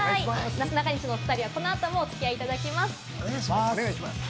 なすなかにしのお２人は、この後もお付き合いいただきます。